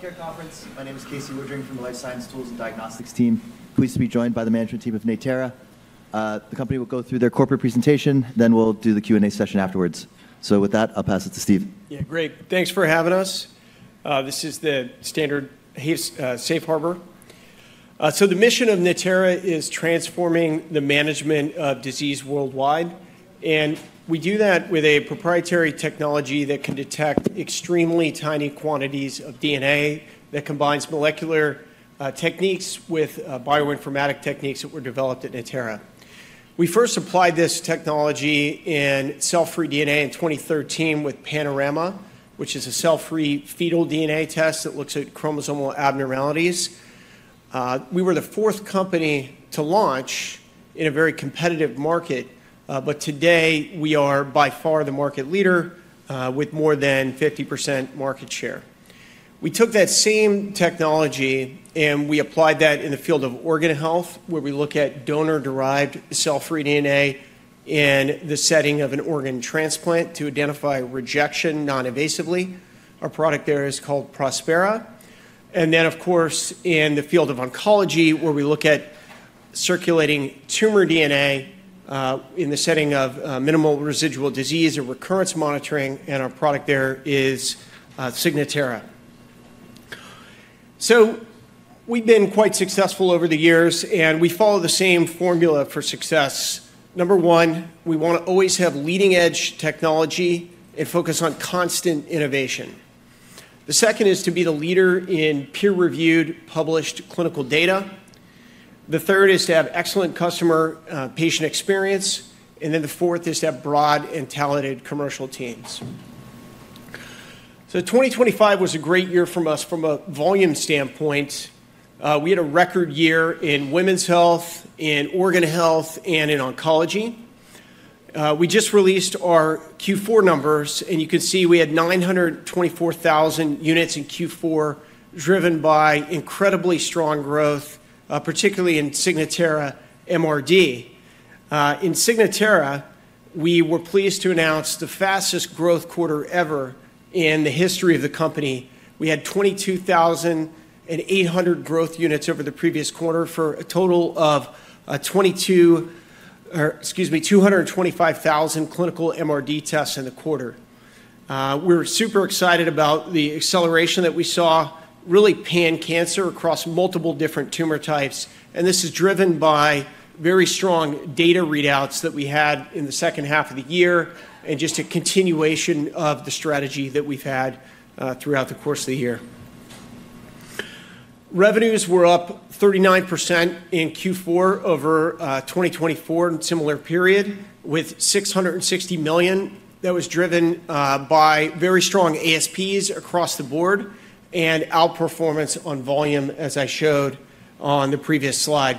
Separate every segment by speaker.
Speaker 1: Healthcare conference. My name is Casey Woodring from the Life Science Tools and Diagnostics team. Pleased to be joined by the management team of Natera. The company will go through their corporate presentation, then we'll do the Q&A session afterwards, so with that, I'll pass it to Steve.
Speaker 2: Yeah, great. Thanks for having us. This is the standard Safe Harbor. So the mission of Natera is transforming the management of disease worldwide, and we do that with a proprietary technology that can detect extremely tiny quantities of DNA that combines molecular techniques with bioinformatic techniques that were developed at Natera. We first applied this technology in cell-free DNA in 2013 with Panorama, which is a cell-free fetal DNA test that looks at chromosomal abnormalities. We were the fourth company to launch in a very competitive market, but today we are by far the market leader with more than 50% market share. We took that same technology and we applied that in the field of organ health, where we look at donor-derived cell-free DNA in the setting of an organ transplant to identify rejection non-invasively. Our product there is called Prospera. And then, of course, in the field of oncology, where we look at circulating tumor DNA in the setting of minimal residual disease or recurrence monitoring, and our product there is Signatera. So we've been quite successful over the years, and we follow the same formula for success. Number one, we want to always have leading-edge technology and focus on constant innovation. The second is to be the leader in peer-reviewed, published clinical data. The third is to have excellent customer patient experience. And then the fourth is to have broad and talented commercial teams. So 2025 was a great year for us from a volume standpoint. We had a record year in women's health, in organ health, and in oncology. We just released our Q4 numbers, and you can see we had 924,000 units in Q4, driven by incredibly strong growth, particularly in Signatera MRD. In Signatera, we were pleased to announce the fastest growth quarter ever in the history of the company. We had 22,800 growth units over the previous quarter for a total of 225,000 clinical MRD tests in the quarter. We were super excited about the acceleration that we saw really pan-cancer across multiple different tumor types. This is driven by very strong data readouts that we had in the second half of the year and just a continuation of the strategy that we've had throughout the course of the year. Revenues were up 39% in Q4 over 2024 and similar period, with $660 million that was driven by very strong ASPs across the board and outperformance on volume, as I showed on the previous slide.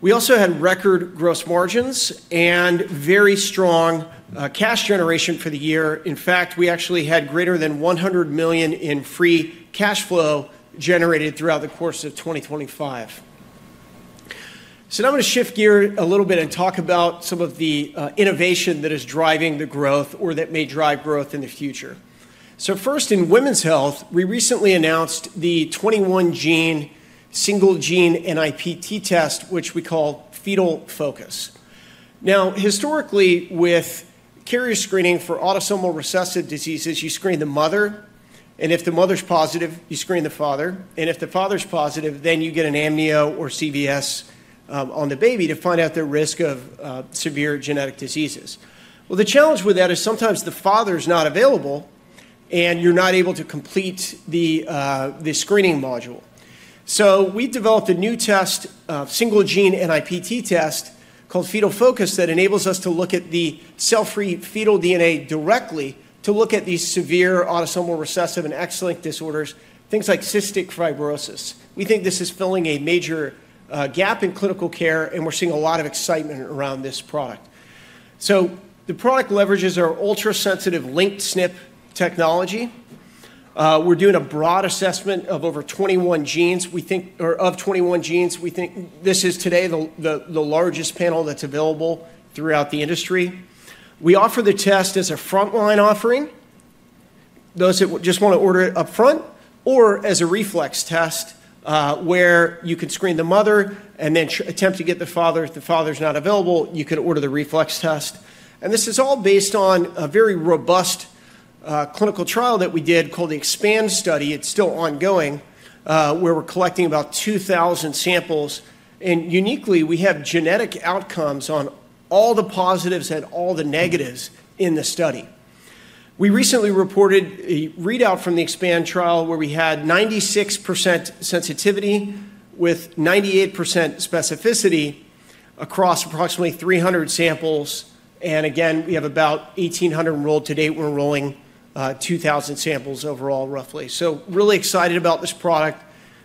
Speaker 2: We also had record gross margins and very strong cash generation for the year. In fact, we actually had greater than $100 million in free cash flow generated throughout the course of 2025, so now I'm going to shift gears a little bit and talk about some of the innovation that is driving the growth or that may drive growth in the future, so first, in women's health, we recently announced the 21-gene single-gene NIPT test, which we call Fetal Focus. Now, historically, with carrier screening for autosomal recessive diseases, you screen the mother, and if the mother's positive, you screen the father. And if the father's positive, then you get an amnio or CVS on the baby to find out their risk of severe genetic diseases. Well, the challenge with that is sometimes the father's not available and you're not able to complete the screening module. So we developed a new test, a single-gene NIPT test called Fetal Focus, that enables us to look at the cell-free fetal DNA directly to look at these severe autosomal recessive and X-linked disorders, things like cystic fibrosis. We think this is filling a major gap in clinical care, and we're seeing a lot of excitement around this product. So the product leverages our ultra-sensitive linked SNP technology. We're doing a broad assessment of over 21 genes. We think this is today the largest panel that's available throughout the industry. We offer the test as a frontline offering, those that just want to order it upfront, or as a reflex test where you can screen the mother and then attempt to get the father. If the father's not available, you can order the reflex test. This is all based on a very robust clinical trial that we did called the EXPAND study. It's still ongoing, where we're collecting about 2,000 samples. Uniquely, we have genetic outcomes on all the positives and all the negatives in the study. We recently reported a readout from the EXPAND trial where we had 96% sensitivity with 98% specificity across approximately 300 samples. Again, we have about 1,800 enrolled to date. We're enrolling 2,000 samples overall, roughly. Really excited about this product.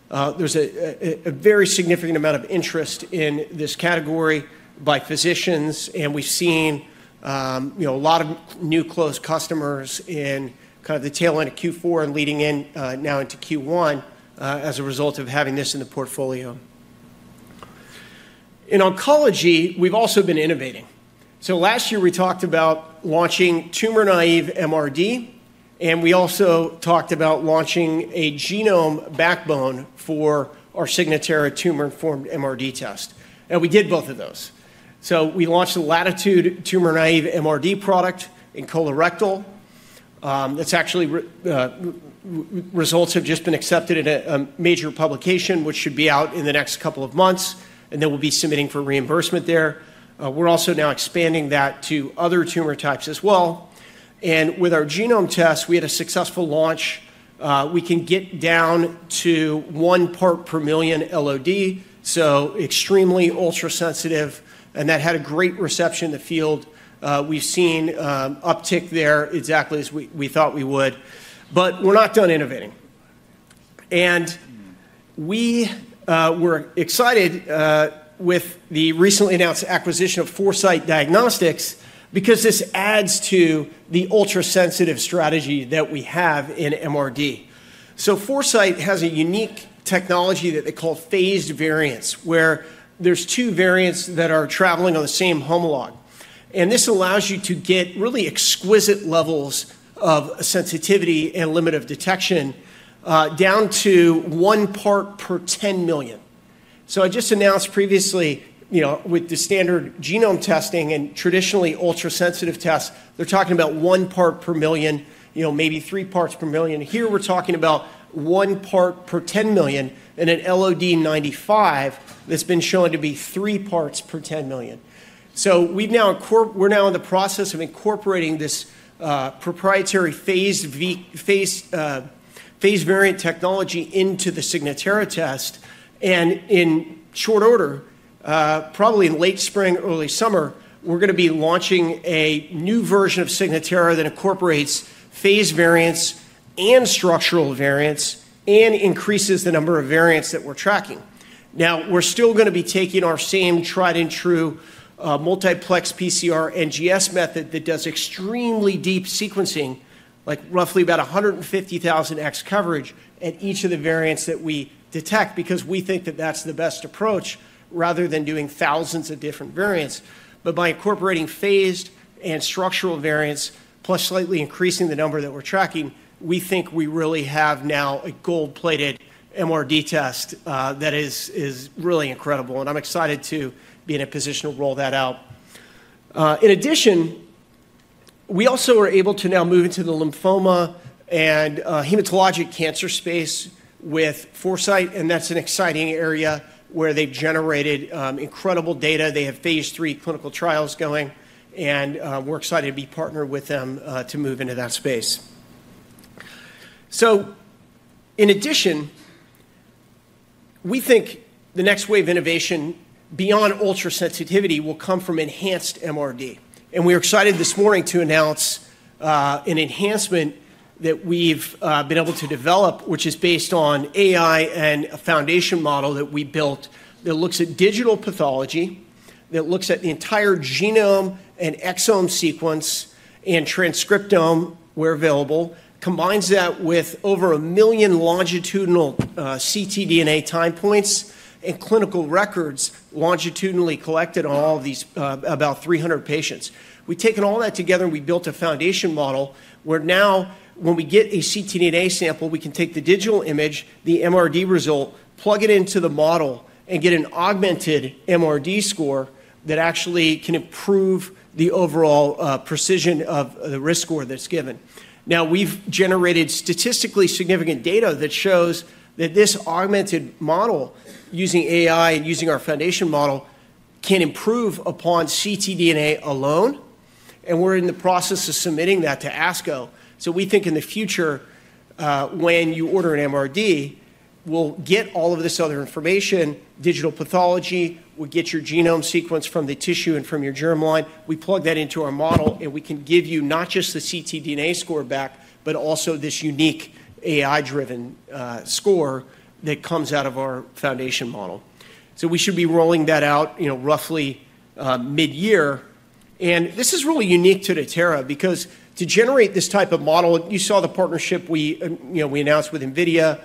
Speaker 2: There's a very significant amount of interest in this category by physicians, and we've seen a lot of new close customers in kind of the tail end of Q4 and leading in now into Q1 as a result of having this in the portfolio. In oncology, we've also been innovating. So last year, we talked about launching tumor-naive MRD, and we also talked about launching a genome backbone for our Signatera tumor-informed MRD test, and we did both of those, so we launched a Latitude tumor-naive MRD product in colorectal. Results have just been accepted in a major publication, which should be out in the next couple of months, and then we'll be submitting for reimbursement there. We're also now expanding that to other tumor types as well, and with our genome test, we had a successful launch. We can get down to one part per million LOD, so extremely ultra-sensitive, and that had a great reception in the field. We've seen uptick there exactly as we thought we would, but we're not done innovating, and we were excited with the recently announced acquisition of Foresight Diagnostics because this adds to the ultra-sensitive strategy that we have in MRD. Foresight has a unique technology that they call phased variants, where there's two variants that are traveling on the same homolog. And this allows you to get really exquisite levels of sensitivity and limit of detection down to one part per 10 million. So I just announced previously, with the standard genome testing and traditionally ultra-sensitive tests, they're talking about one part per million, maybe three parts per million. Here we're talking about one part per 10 million and an LOD 95 that's been shown to be three parts per 10 million. So we're now in the process of incorporating this proprietary phased variant technology into the Signatera test. And in short order, probably in late spring, early summer, we're going to be launching a new version of Signatera that incorporates phased variants and structural variants and increases the number of variants that we're tracking. Now, we're still going to be taking our same tried-and-true multiplex PCR NGS method that does extremely deep sequencing, like roughly about 150,000x coverage at each of the variants that we detect because we think that that's the best approach rather than doing thousands of different variants. But by incorporating phased and structural variants, plus slightly increasing the number that we're tracking, we think we really have now a gold-plated MRD test that is really incredible. And I'm excited to be in a position to roll that out. In addition, we also are able to now move into the lymphoma and hematologic cancer space with Foresight, and that's an exciting area where they've generated incredible data. They have phase III clinical trials going, and we're excited to be partnered with them to move into that space. So in addition, we think the next wave of innovation beyond ultra-sensitivity will come from enhanced MRD. And we're excited this morning to announce an enhancement that we've been able to develop, which is based on AI and a foundation model that we built that looks at digital pathology, that looks at the entire genome and exome sequence and transcriptome where available, combines that with over a million longitudinal ctDNA time points and clinical records longitudinally collected on all of these about 300 patients. We've taken all that together and we built a foundation model where now when we get a ctDNA sample, we can take the digital image, the MRD result, plug it into the model, and get an augmented MRD score that actually can improve the overall precision of the risk score that's given. Now, we've generated statistically significant data that shows that this augmented model using AI and using our foundation model can improve upon ctDNA alone. And we're in the process of submitting that to ASCO. So we think in the future, when you order an MRD, we'll get all of this other information, digital pathology, we'll get your genome sequence from the tissue and from your germline. We plug that into our model and we can give you not just the ctDNA score back, but also this unique AI-driven score that comes out of our foundation model. So we should be rolling that out roughly mid-year. And this is really unique to Natera because to generate this type of model, you saw the partnership we announced with NVIDIA.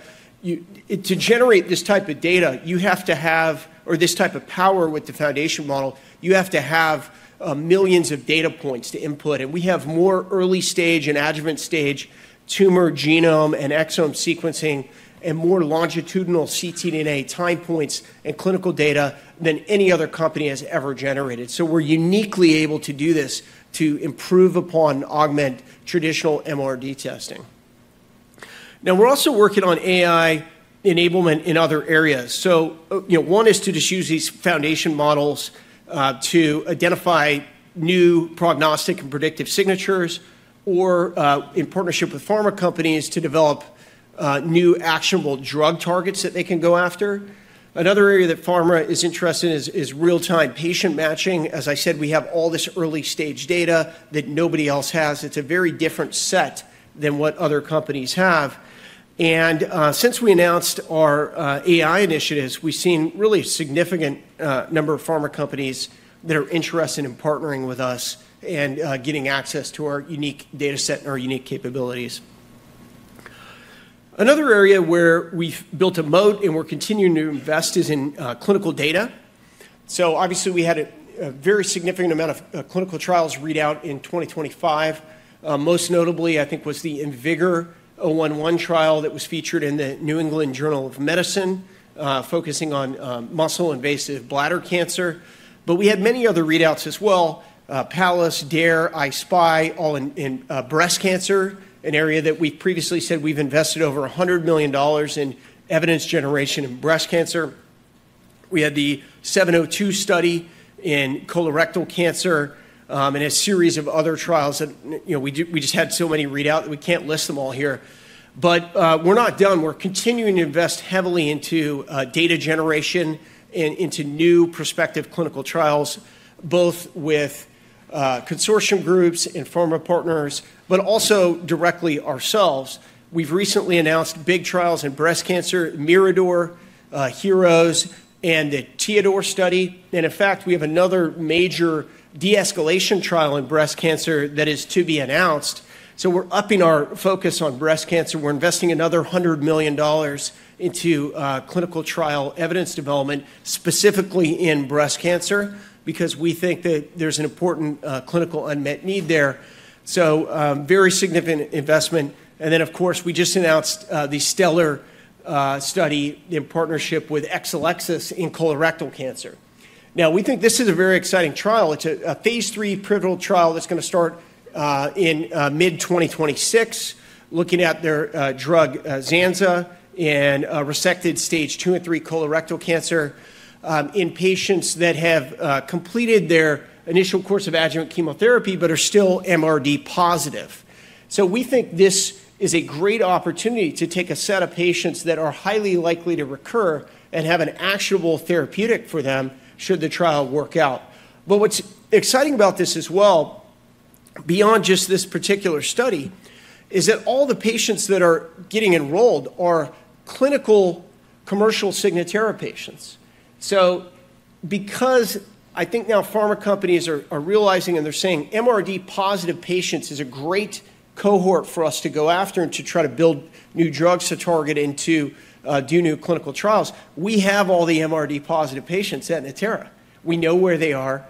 Speaker 2: To generate this type of data, you have to have, or this type of power with the foundation model, you have to have millions of data points to input, and we have more early stage and adjuvant stage tumor genome and exome sequencing and more longitudinal ctDNA time points and clinical data than any other company has ever generated, so we're uniquely able to do this to improve upon and augment traditional MRD testing. Now, we're also working on AI enablement in other areas, so one is to just use these foundation models to identify new prognostic and predictive signatures or in partnership with pharma companies to develop new actionable drug targets that they can go after. Another area that pharma is interested in is real-time patient matching. As I said, we have all this early stage data that nobody else has. It's a very different set than what other companies have. And since we announced our AI initiatives, we've seen really a significant number of pharma companies that are interested in partnering with us and getting access to our unique data set and our unique capabilities. Another area where we've built a moat and we're continuing to invest is in clinical data. So obviously, we had a very significant amount of clinical trials readout in 2025. Most notably, I think, was the IMvigor011 trial that was featured in the New England Journal of Medicine, focusing on muscle-invasive bladder cancer. But we had many other readouts as well: PALLAS, DARE, I-SPY, all in breast cancer, an area that we previously said we've invested over $100 million in evidence generation in breast cancer. We had the 702 study in colorectal cancer and a series of other trials. We just had so many readouts that we can't list them all here. But we're not done. We're continuing to invest heavily into data generation and into new prospective clinical trials, both with consortium groups and pharma partners, but also directly ourselves. We've recently announced big trials in breast cancer, MIRADOR, HEROES, and the TEODOR study. And in fact, we have another major de-escalation trial in breast cancer that is to be announced. So we're upping our focus on breast cancer. We're investing another $100 million into clinical trial evidence development, specifically in breast cancer, because we think that there's an important clinical unmet need there. So very significant investment. And then, of course, we just announced the STELLAR study in partnership with Exelixis in colorectal cancer. Now, we think this is a very exciting trial. It's a phase III pivotal trial that's going to start in mid-2026, looking at their drug zanzalintinib and resected stage two and three colorectal cancer in patients that have completed their initial course of adjuvant chemotherapy but are still MRD positive. So we think this is a great opportunity to take a set of patients that are highly likely to recur and have an actionable therapeutic for them should the trial work out. But what's exciting about this as well, beyond just this particular study, is that all the patients that are getting enrolled are clinical commercial Signatera patients. So because I think now pharma companies are realizing and they're saying MRD positive patients is a great cohort for us to go after and to try to build new drugs to target and to do new clinical trials, we have all the MRD positive patients at Natera. We know where they are.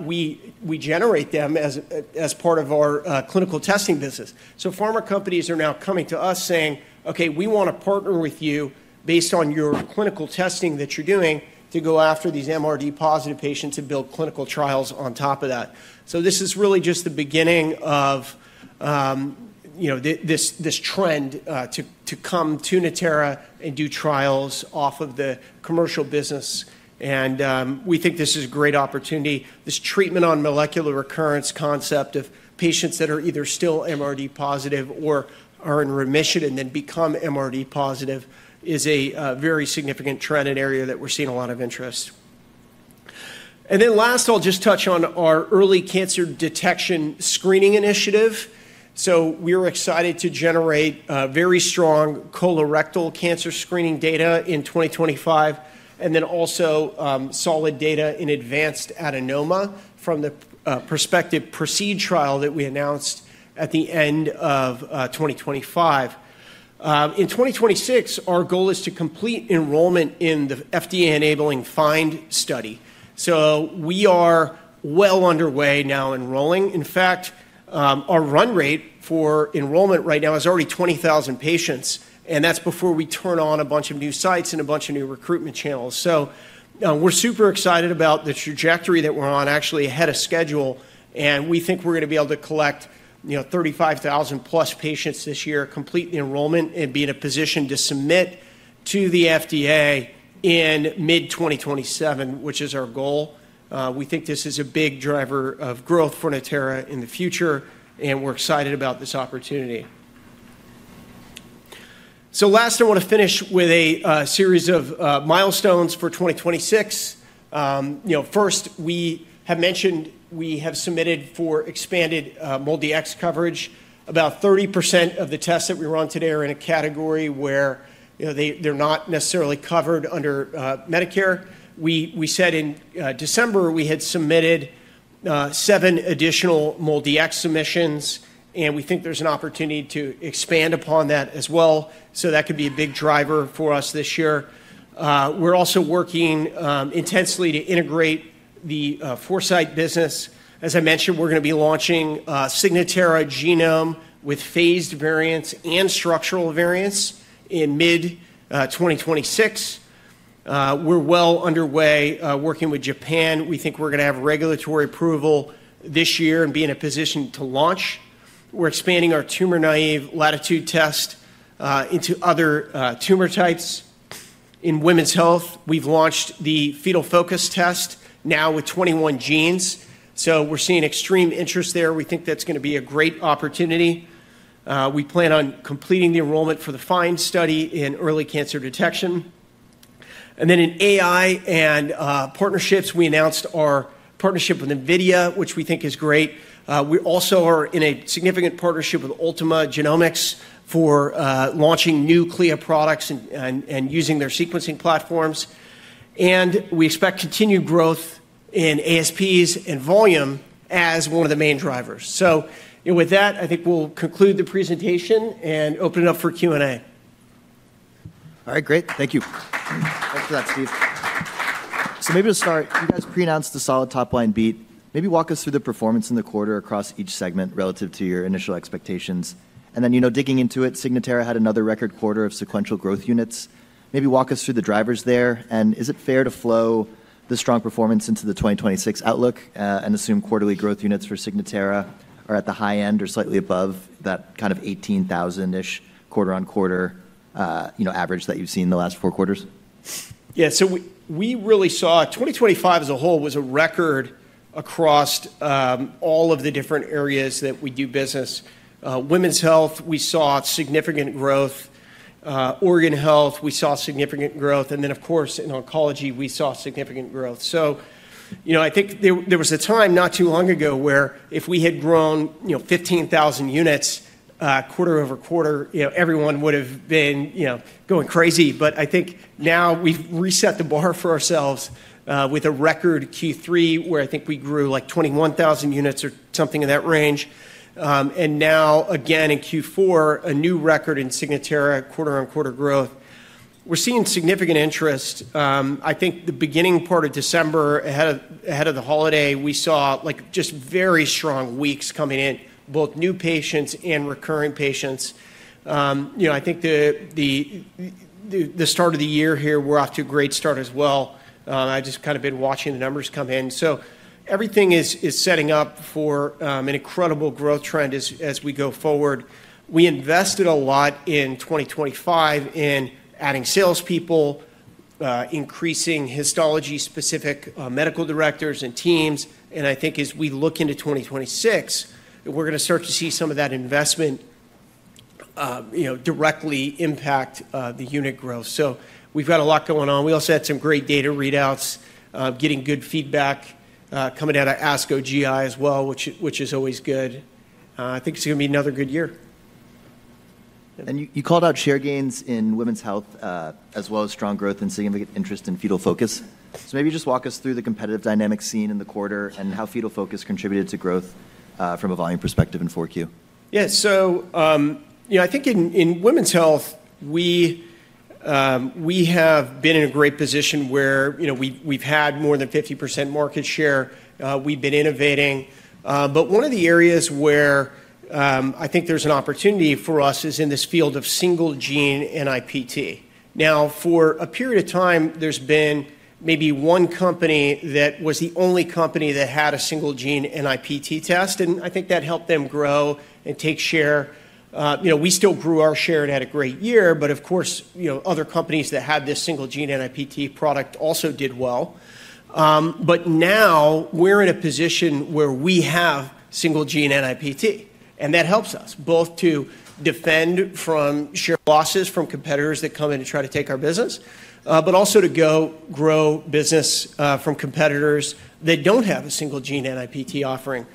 Speaker 2: We generate them as part of our clinical testing business. So pharma companies are now coming to us saying, "Okay, we want to partner with you based on your clinical testing that you're doing to go after these MRD positive patients and build clinical trials on top of that." So this is really just the beginning of this trend to come to Natera and do trials off of the commercial business. And we think this is a great opportunity. This treatment on molecular recurrence concept of patients that are either still MRD positive or are in remission and then become MRD positive is a very significant trend and area that we're seeing a lot of interest. And then last, I'll just touch on our early cancer detection screening initiative. We are excited to generate very strong colorectal cancer screening data in 2025, and then also solid data in advanced adenoma from the prospective PRECEDE trial that we announced at the end of 2025. In 2026, our goal is to complete enrollment in the FDA-enabling FIND study. We are well underway now enrolling. In fact, our run rate for enrollment right now is already 20,000 patients, and that's before we turn on a bunch of new sites and a bunch of new recruitment channels. We're super excited about the trajectory that we're on, actually ahead of schedule. We think we're going to be able to collect 35,000+ patients this year, complete the enrollment, and be in a position to submit to the FDA in mid-2027, which is our goal. We think this is a big driver of growth for Natera in the future, and we're excited about this opportunity. So last, I want to finish with a series of milestones for 2026. First, we have mentioned we have submitted for expanded MolDX coverage. About 30% of the tests that we run today are in a category where they're not necessarily covered under Medicare. We said in December we had submitted seven additional MolDX submissions, and we think there's an opportunity to expand upon that as well. So that could be a big driver for us this year. We're also working intensely to integrate the Foresight business. As I mentioned, we're going to be launching Signatera Genome with phased variants and structural variants in mid-2026. We're well underway working with Japan. We think we're going to have regulatory approval this year and be in a position to launch. We're expanding our tumor-naive Latitude test into other tumor types. In women's health, we've launched the Fetal Focus test now with 21 genes. So we're seeing extreme interest there. We think that's going to be a great opportunity. We plan on completing the enrollment for the FIND study in early cancer detection. And then in AI and partnerships, we announced our partnership with NVIDIA, which we think is great. We also are in a significant partnership with Ultima Genomics for launching new CLIA products and using their sequencing platforms. And we expect continued growth in ASPs and volume as one of the main drivers. So with that, I think we'll conclude the presentation and open it up for Q&A.
Speaker 1: All right, great. Thank you. Thanks for that, Steve. So maybe we'll start. You guys pre-announced the solid top-line beat. Maybe walk us through the performance in the quarter across each segment relative to your initial expectations. And then digging into it, Signatera had another record quarter of sequential growth units. Maybe walk us through the drivers there. And is it fair to flow the strong performance into the 2026 outlook and assume quarterly growth units for Signatera are at the high end or slightly above that kind of 18,000-ish quarter-on-quarter average that you've seen in the last four quarters?
Speaker 2: Yeah, so we really saw 2025 as a whole was a record across all of the different areas that we do business. Women's health, we saw significant growth. Organ health, we saw significant growth. And then, of course, in oncology, we saw significant growth. So I think there was a time not too long ago where if we had grown 15,000 units quarter over quarter, everyone would have been going crazy. But I think now we've reset the bar for ourselves with a record Q3 where I think we grew like 21,000 units or something in that range. And now, again, in Q4, a new record in Signatera quarter-on-quarter growth. We're seeing significant interest. I think the beginning part of December, ahead of the holiday, we saw just very strong weeks coming in, both new patients and recurring patients. I think the start of the year here, we're off to a great start as well. I've just kind of been watching the numbers come in. So everything is setting up for an incredible growth trend as we go forward. We invested a lot in 2025 in adding salespeople, increasing histology-specific medical directors and teams. And I think as we look into 2026, we're going to start to see some of that investment directly impact the unit growth. So we've got a lot going on. We also had some great data readouts, getting good feedback coming out of ASCO GI as well, which is always good. I think it's going to be another good year.
Speaker 1: And you called out share gains in women's health as well as strong growth and significant interest in Fetal Focus. So maybe just walk us through the competitive dynamics in the quarter and how Fetal Focus contributed to growth from a volume perspective in 4Q?
Speaker 2: Yeah, so I think in women's health, we have been in a great position where we've had more than 50% market share. We've been innovating. But one of the areas where I think there's an opportunity for us is in this field of single-gene NIPT. Now, for a period of time, there's been maybe one company that was the only company that had a single-gene NIPT test. And I think that helped them grow and take share. We still grew our share and had a great year. But of course, other companies that had this single-gene NIPT product also did well. But now we're in a position where we have single-gene NIPT. And that helps us both to defend from share losses from competitors that come in and try to take our business, but also to go grow business from competitors that don't have a single-gene NIPT offering.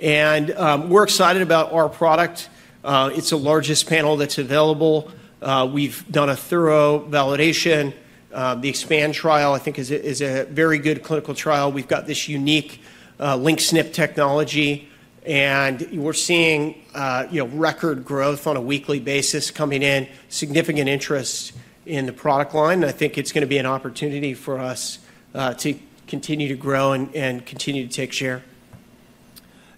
Speaker 2: We're excited about our product. It's the largest panel that's available. We've done a thorough validation. The EXPAND trial, I think, is a very good clinical trial. We've got this unique Linked SNP technology. We're seeing record growth on a weekly basis coming in, significant interest in the product line. I think it's going to be an opportunity for us to continue to grow and continue to take share.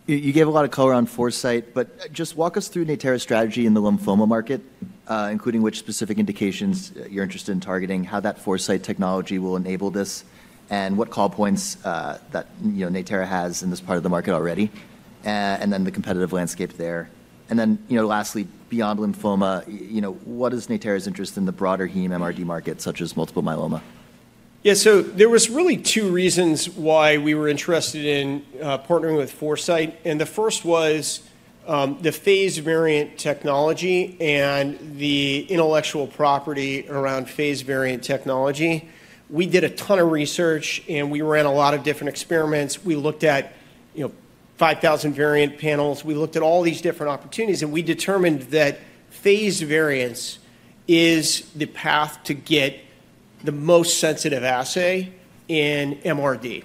Speaker 1: You gave a lot of color on Foresight, but just walk us through Natera's strategy in the lymphoma market, including which specific indications you're interested in targeting, how that Foresight technology will enable this, and what call points that Natera has in this part of the market already, and then the competitive landscape there, and then lastly, beyond lymphoma, what is Natera's interest in the broader heme MRD market, such as multiple myeloma?
Speaker 2: Yeah, so there were really two reasons why we were interested in partnering with Foresight. And the first was the phased variants technology and the intellectual property around phased variants technology. We did a ton of research, and we ran a lot of different experiments. We looked at 5,000 variant panels. We looked at all these different opportunities. And we determined that phased variants is the path to get the most sensitive assay in MRD.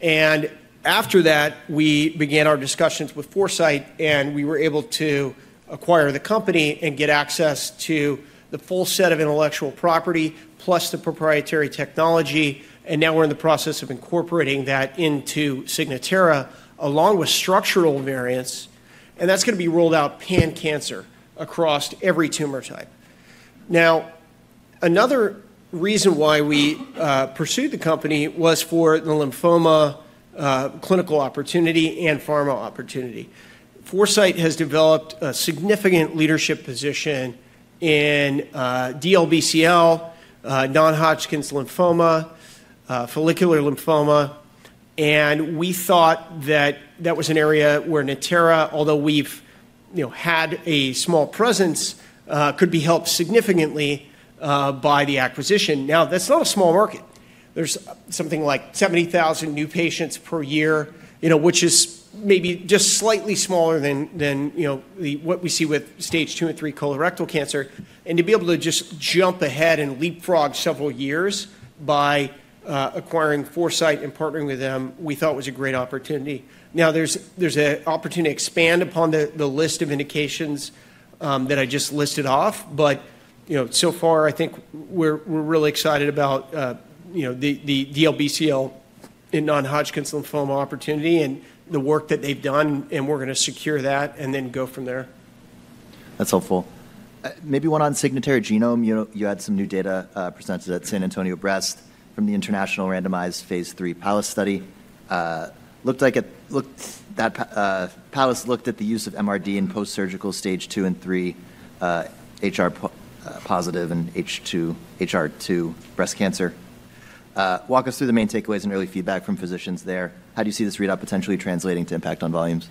Speaker 2: And after that, we began our discussions with Foresight, and we were able to acquire the company and get access to the full set of intellectual property plus the proprietary technology. And now we're in the process of incorporating that into Signatera along with structural variants. And that's going to be rolled out pan-cancer across every tumor type. Now, another reason why we pursued the company was for the lymphoma clinical opportunity and pharma opportunity. Foresight has developed a significant leadership position in DLBCL, non-Hodgkin lymphoma, follicular lymphoma, and we thought that that was an area where Natera, although we've had a small presence, could be helped significantly by the acquisition. Now, that's not a small market. There's something like 70,000 new patients per year, which is maybe just slightly smaller than what we see with stage two and three colorectal cancer, and to be able to just jump ahead and leapfrog several years by acquiring Foresight and partnering with them, we thought was a great opportunity. Now, there's an opportunity to expand upon the list of indications that I just listed off, but so far, I think we're really excited about the DLBCL in non-Hodgkin lymphoma opportunity and the work that they've done, and we're going to secure that and then go from there.
Speaker 1: That's helpful. Maybe one on Signatera genome. You had some new data presented at San Antonio Breast from the International Randomized phase III PALLAS study. Looked like that PALLAS looked at the use of MRD in post-surgical stage two and three HR positive and HER2 breast cancer. Walk us through the main takeaways and early feedback from physicians there. How do you see this readout potentially translating to impact on volumes?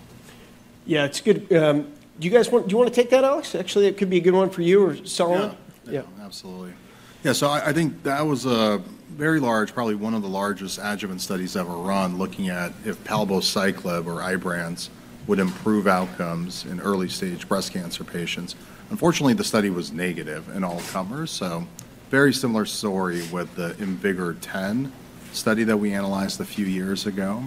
Speaker 2: Yeah, it's good. Do you want to take that, Alex? Actually, it could be a good one for you or Solomon.
Speaker 3: Yeah, absolutely. Yeah, so I think that was a very large, probably one of the largest adjuvant studies ever run, looking at if palbociclib or Ibrance would improve outcomes in early-stage breast cancer patients. Unfortunately, the study was negative in all comers. So very similar story with the IMvigor010 study that we analyzed a few years ago.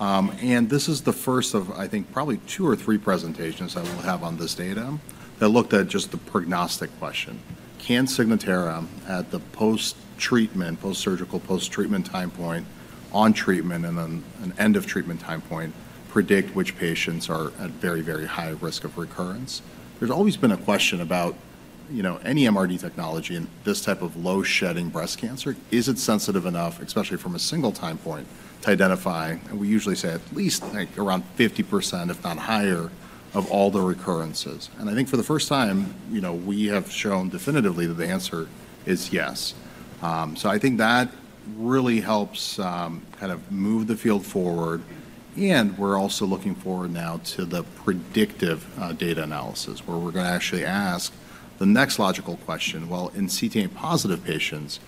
Speaker 3: And this is the first of, I think, probably two or three presentations I will have on this data that looked at just the prognostic question. Can Signatera at the post-treatment, post-surgical, post-treatment time point on treatment and then an end-of-treatment time point predict which patients are at very, very high risk of recurrence? There's always been a question about any MRD technology in this type of low-shedding breast cancer. Is it sensitive enough, especially from a single time point, to identify? And we usually say at least around 50%, if not higher, of all the recurrences. And I think for the first time, we have shown definitively that the answer is yes. So I think that really helps kind of move the field forward. And we're also looking forward now to the predictive data analysis, where we're going to actually ask the next logical question. Well, in CTA-positive patients,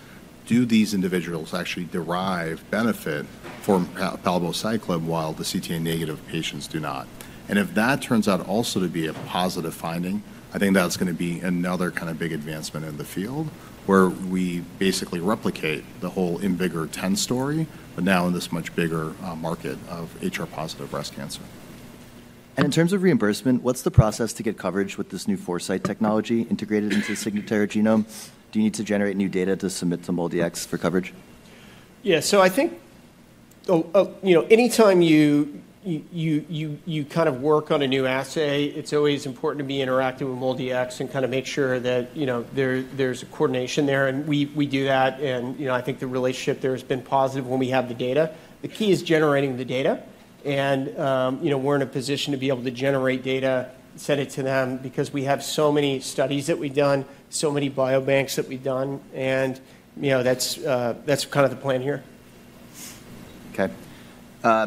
Speaker 3: do these individuals actually derive benefit from palbociclib while the CTA-negative patients do not? And if that turns out also to be a positive finding, I think that's going to be another kind of big advancement in the field, where we basically replicate the whole IMvigor010 story, but now in this much bigger market of HR-positive breast cancer.
Speaker 1: In terms of reimbursement, what's the process to get coverage with this new Foresight technology integrated into the Signatera Genome? Do you need to generate new data to submit to MolDX for coverage?
Speaker 2: Yeah, so I think anytime you kind of work on a new assay, it's always important to be interactive with MolDX and kind of make sure that there's a coordination there. And we do that. And I think the relationship there has been positive when we have the data. The key is generating the data. And we're in a position to be able to generate data, send it to them, because we have so many studies that we've done, so many biobanks that we've done. And that's kind of the plan here.
Speaker 1: Okay.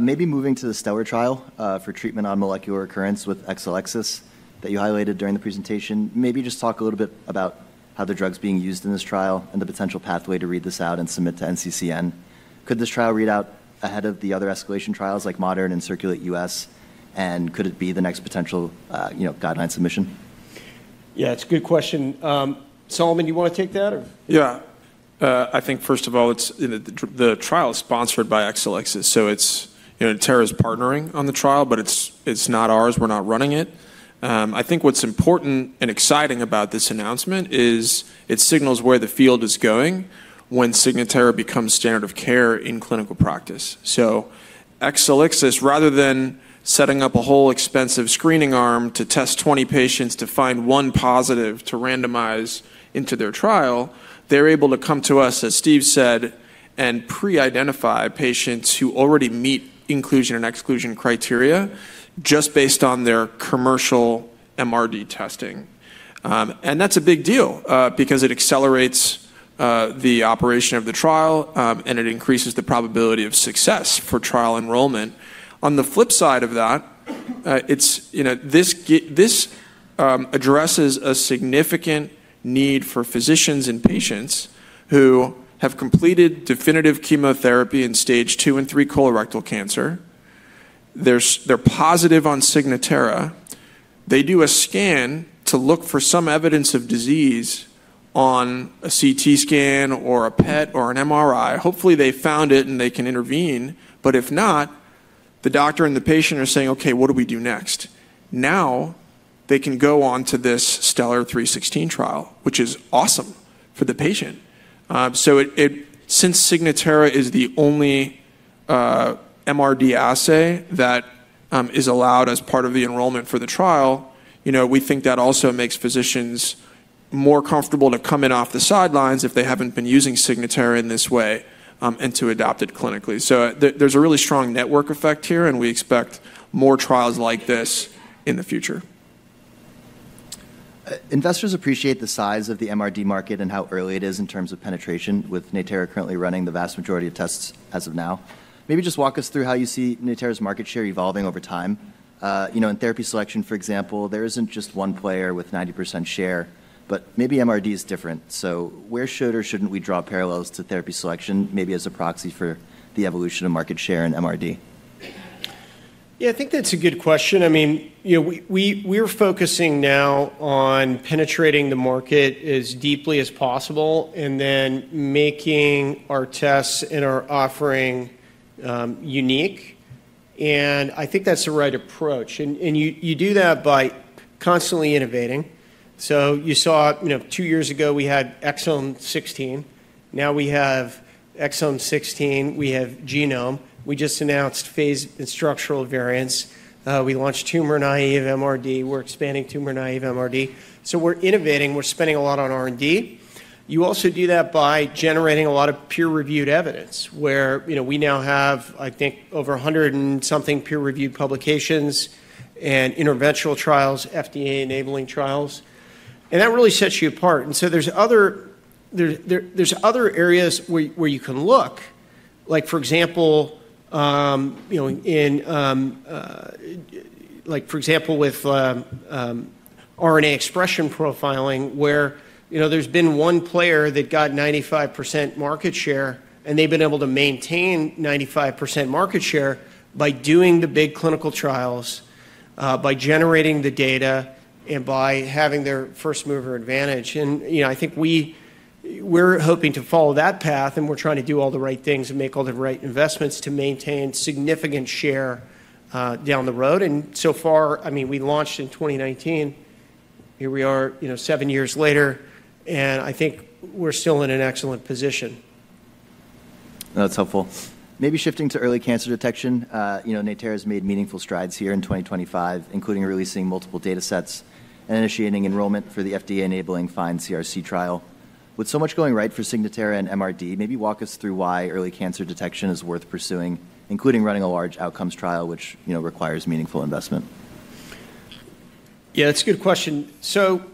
Speaker 1: Maybe moving to the STELLAR trial for treatment on molecular recurrence with Exelixis that you highlighted during the presentation. Maybe just talk a little bit about how the drug's being used in this trial and the potential pathway to read this out and submit to NCCN. Could this trial read out ahead of the other escalation trials like Modern and Circulate U.S.? And could it be the next potential guideline submission?
Speaker 2: Yeah, it's a good question. Solomon, you want to take that or?
Speaker 4: Yeah. I think, first of all, the trial is sponsored by Exelixis. So Natera is partnering on the trial, but it's not ours. We're not running it. I think what's important and exciting about this announcement is it signals where the field is going when Signatera becomes standard of care in clinical practice. So Exelixis, rather than setting up a whole expensive screening arm to test 20 patients to find one positive to randomize into their trial, they're able to come to us, as Steve said, and pre-identify patients who already meet inclusion and exclusion criteria just based on their commercial MRD testing. And that's a big deal because it accelerates the operation of the trial, and it increases the probability of success for trial enrollment. On the flip side of that, this addresses a significant need for physicians and patients who have completed definitive chemotherapy in stage two and three colorectal cancer. They're positive on Signatera. They do a scan to look for some evidence of disease on a CT scan or a PET or an MRI. Hopefully, they found it and they can intervene. But if not, the doctor and the patient are saying, "Okay, what do we do next?" Now they can go on to this STELLAR-316 trial, which is awesome for the patient. So since Signatera is the only MRD assay that is allowed as part of the enrollment for the trial, we think that also makes physicians more comfortable to come in off the sidelines if they haven't been using Signatera in this way and to adopt it clinically. There's a really strong network effect here, and we expect more trials like this in the future.
Speaker 1: Investors appreciate the size of the MRD market and how early it is in terms of penetration, with Natera currently running the vast majority of tests as of now. Maybe just walk us through how you see Natera's market share evolving over time. In therapy selection, for example, there isn't just one player with 90% share, but maybe MRD is different. So where should or shouldn't we draw parallels to therapy selection, maybe as a proxy for the evolution of market share in MRD?
Speaker 2: Yeah, I think that's a good question. I mean, we're focusing now on penetrating the market as deeply as possible and then making our tests and our offering unique, and I think that's the right approach, and you do that by constantly innovating, so you saw two years ago, we had Exome 16. Now we have Exome 16. We have genome. We just announced phased and structural variants. We launched tumor-naive MRD. We're expanding tumor-naive MRD, so we're innovating. We're spending a lot on R&D. You also do that by generating a lot of peer-reviewed evidence, where we now have, I think, over 100 and something peer-reviewed publications and interventional trials, FDA-enabling trials, and that really sets you apart. And so there's other areas where you can look, like for example, with RNA expression profiling, where there's been one player that got 95% market share, and they've been able to maintain 95% market share by doing the big clinical trials, by generating the data, and by having their first mover advantage. And I think we're hoping to follow that path, and we're trying to do all the right things and make all the right investments to maintain significant share down the road. And so far, I mean, we launched in 2019. Here we are, seven years later. And I think we're still in an excellent position.
Speaker 1: That's helpful. Maybe shifting to early cancer detection, Natera has made meaningful strides here in 2025, including releasing multiple data sets and initiating enrollment for the FDA-enabling FIND-CRC trial. With so much going right for Signatera and MRD, maybe walk us through why early cancer detection is worth pursuing, including running a large outcomes trial, which requires meaningful investment.
Speaker 2: Yeah, that's a good question. So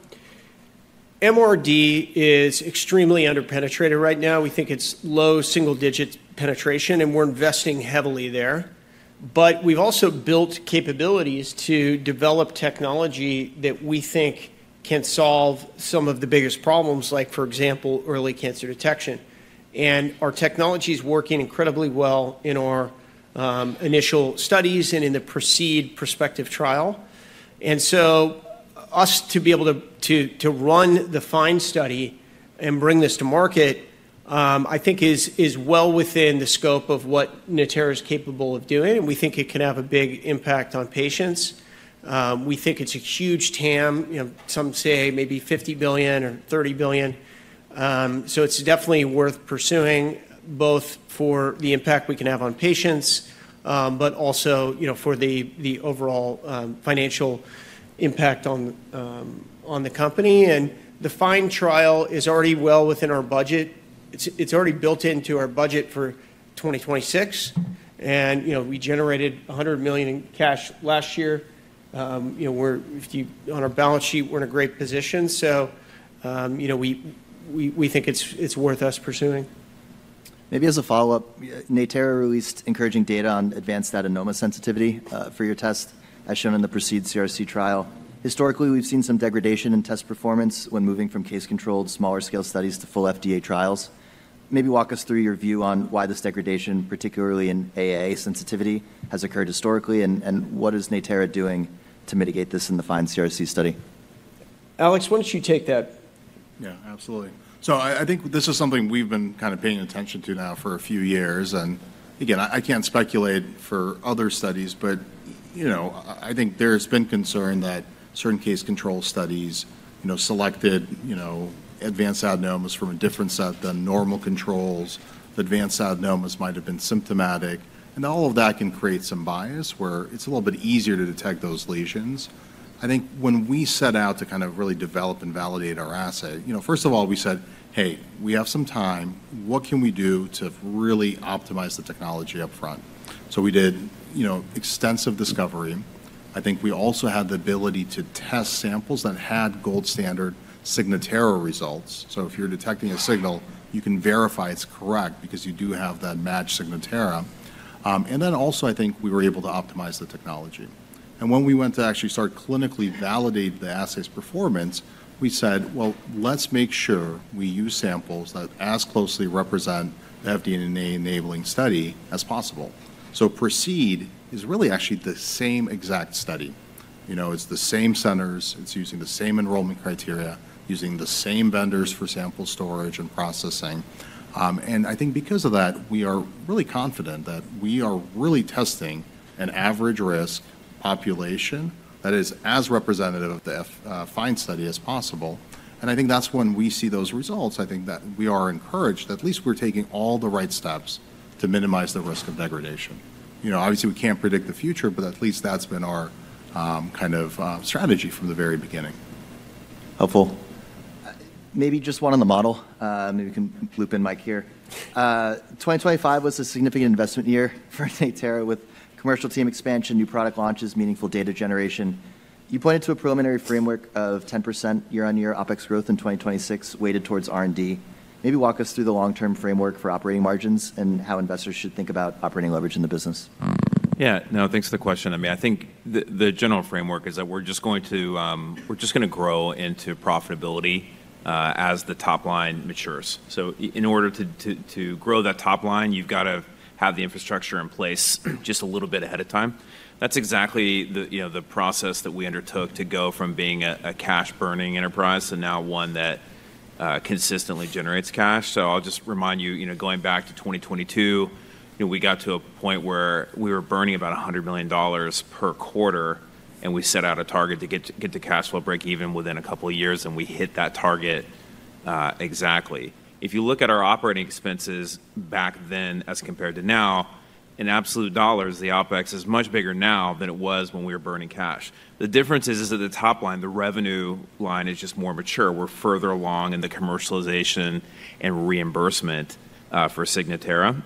Speaker 2: MRD is extremely underpenetrated right now. We think it's low single-digit penetration, and we're investing heavily there. But we've also built capabilities to develop technology that we think can solve some of the biggest problems, like for example, early cancer detection. And our technology is working incredibly well in our initial studies and in the PRECEDE prospective trial, and so us to be able to run the FIND study and bring this to market, I think, is well within the scope of what Natera is capable of doing. And we think it can have a big impact on patients. We think it's a huge TAM. Some say maybe $50 billion or $30 billion. So it's definitely worth pursuing, both for the impact we can have on patients, but also for the overall financial impact on the company. The FIND trial is already well within our budget. It's already built into our budget for 2026. We generated $100 million in cash last year. On our balance sheet, we're in a great position. We think it's worth us pursuing.
Speaker 1: Maybe as a follow-up, Natera released encouraging data on advanced adenoma sensitivity for your test, as shown in the PRECEDE CRC trial. Historically, we've seen some degradation in test performance when moving from case-controlled smaller-scale studies to full FDA trials. Maybe walk us through your view on why this degradation, particularly in AA sensitivity, has occurred historically, and what is Natera doing to mitigate this in the FIND-CRC study?
Speaker 2: Alex, why don't you take that?
Speaker 3: Yeah, absolutely. So I think this is something we've been kind of paying attention to now for a few years. And again, I can't speculate for other studies, but I think there has been concern that certain case control studies selected advanced adenomas from a different set than normal controls. The advanced adenomas might have been symptomatic. And all of that can create some bias, where it's a little bit easier to detect those lesions. I think when we set out to kind of really develop and validate our assay, first of all, we said, "Hey, we have some time. What can we do to really optimize the technology upfront?" So we did extensive discovery. I think we also had the ability to test samples that had gold-standard Signatera results. So if you're detecting a signal, you can verify it's correct because you do have that matched Signatera. Then also, I think we were able to optimize the technology. When we went to actually start clinically validate the assay's performance, we said, "Well, let's make sure we use samples that as closely represent the FDA-enabling study as possible." PRECEDE is really actually the same exact study. It's the same centers. It's using the same enrollment criteria, using the same vendors for sample storage and processing. I think because of that, we are really confident that we are really testing an average-risk population that is as representative of the FIND study as possible. I think that's when we see those results, I think that we are encouraged that at least we're taking all the right steps to minimize the risk of degradation. Obviously, we can't predict the future, but at least that's been our kind of strategy from the very beginning.
Speaker 1: Helpful. Maybe just one on the model. Maybe we can loop in Mike here. 2025 was a significant investment year for Natera, with commercial team expansion, new product launches, meaningful data generation. You pointed to a preliminary framework of 10% year-on-year OpEx growth in 2026, weighted towards R&D. Maybe walk us through the long-term framework for operating margins and how investors should think about operating leverage in the business.
Speaker 5: Yeah, no, thanks for the question. I mean, I think the general framework is that we're just going to grow into profitability as the top line matures. So in order to grow that top line, you've got to have the infrastructure in place just a little bit ahead of time. That's exactly the process that we undertook to go from being a cash-burning enterprise to now one that consistently generates cash. So I'll just remind you, going back to 2022, we got to a point where we were burning about $100 million per quarter, and we set out a target to get to cash flow break-even within a couple of years, and we hit that target exactly. If you look at our operating expenses back then as compared to now, in absolute dollars, the OpEx is much bigger now than it was when we were burning cash. The difference is that the top line, the revenue line, is just more mature. We're further along in the commercialization and reimbursement for Signatera,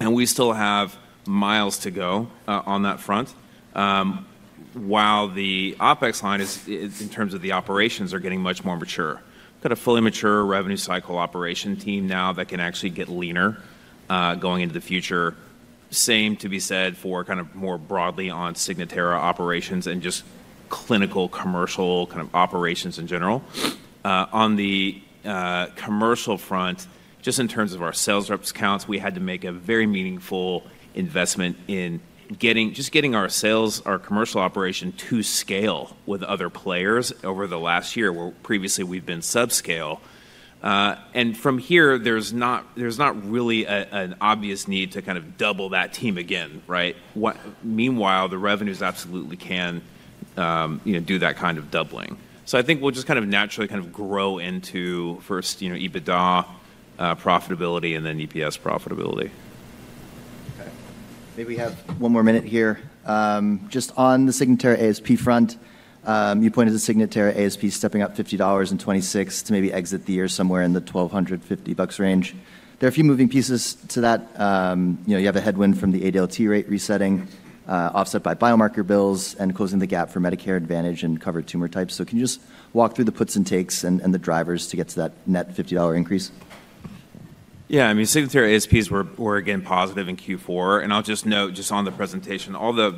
Speaker 5: and we still have miles to go on that front, while the OpEx line, in terms of the operations, are getting much more mature. We've got a fully mature revenue-cycle operation team now that can actually get leaner going into the future. Same to be said for kind of more broadly on Signatera operations and just clinical commercial kind of operations in general. On the commercial front, just in terms of our sales reps' counts, we had to make a very meaningful investment in just getting our sales, our commercial operation, to scale with other players over the last year, where previously we've been subscale, and from here, there's not really an obvious need to kind of double that team again, right? Meanwhile, the revenues absolutely can do that kind of doubling. So I think we'll just kind of naturally kind of grow into first EBITDA profitability and then EPS profitability.
Speaker 1: Okay. Maybe we have one more minute here. Just on the Signatera ASP front, you pointed to Signatera ASP stepping up $50.26 to maybe exit the year somewhere in the $1,250 range. There are a few moving pieces to that. You have a headwind from the ADLT rate resetting, offset by biomarker bills, and closing the gap for Medicare Advantage and covered tumor types. So can you just walk through the puts and takes and the drivers to get to that net $50 increase?
Speaker 5: Yeah, I mean, Signatera ASPs were, again, positive in Q4. And I'll just note, just on the presentation, all the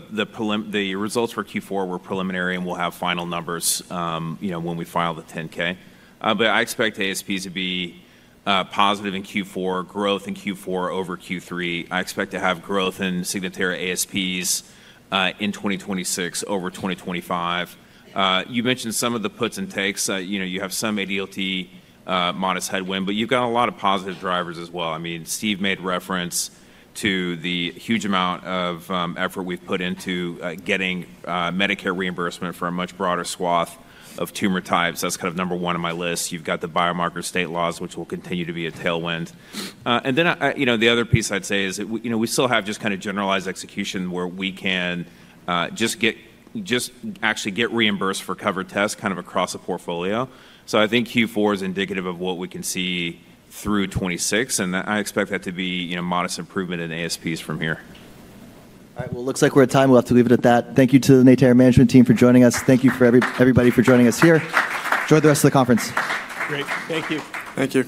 Speaker 5: results for Q4 were preliminary, and we'll have final numbers when we file the 10-K. But I expect ASPs to be positive in Q4, growth in Q4 over Q3. I expect to have growth in Signatera ASPs in 2026 over 2025. You mentioned some of the puts and takes. You have some ADLT modest headwind, but you've got a lot of positive drivers as well. I mean, Steve made reference to the huge amount of effort we've put into getting Medicare reimbursement for a much broader swath of tumor types. That's kind of number one on my list. You've got the biomarker state laws, which will continue to be a tailwind. Then the other piece I'd say is we still have just kind of generalized execution where we can just actually get reimbursed for covered tests kind of across the portfolio. I think Q4 is indicative of what we can see through 2026, and I expect that to be modest improvement in ASPs from here.
Speaker 1: All right, well, it looks like we're at time. We'll have to leave it at that. Thank you to the Natera management team for joining us. Thank you for everybody for joining us here. Enjoy the rest of the conference.
Speaker 2: Great. Thank you.
Speaker 3: Thank you.